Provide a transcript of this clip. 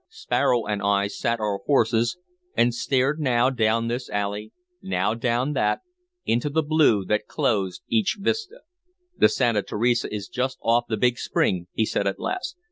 Sparrow and I sat our horses, and stared now down this alley, now down that, into the blue that closed each vista. "The Santa Teresa is just off the big spring," he said at last.